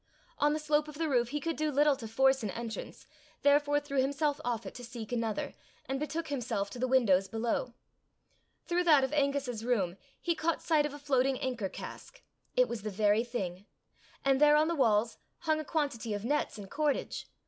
On the slope of the roof he could do little to force an entrance, therefore threw himself off it to seek another, and betook himself to the windows below. Through that of Angus's room, he caught sight of a floating anker cask. It was the very thing! and there on the walls hung a quantity of nets and cordage!